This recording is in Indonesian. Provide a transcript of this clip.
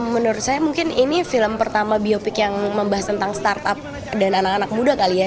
menurut saya mungkin ini film pertama biopik yang membahas tentang startup dan anak anak muda kali ya